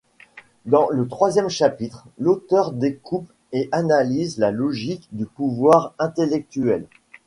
Dans le troisième chapitre, l’auteur découpe et analyse la logique du pouvoir intellectuel.